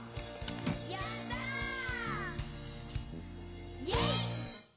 「やった」「イェイ！」